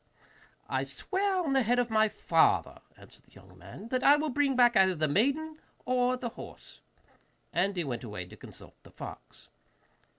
'I swear on the head of my father,' answered the young man, 'that I will bring back either the maiden or the horse.' And he went away to consult the fox.